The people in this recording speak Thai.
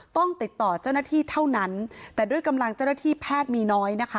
ต้องติดต่อเจ้าหน้าที่เท่านั้นแต่ด้วยกำลังเจ้าหน้าที่แพทย์มีน้อยนะคะ